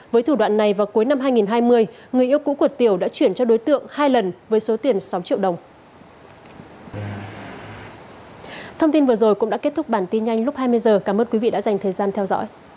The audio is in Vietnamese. với thủ đoạn này vào cuối năm hai nghìn hai mươi người yêu cũ của tiểu đã chuyển cho đối tượng hai lần với số tiền sáu triệu đồng